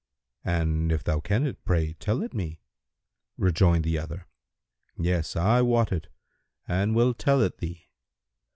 and, if thou ken it, pray tell it me." Rejoined the other, "Yes, I wot it and will tell it thee.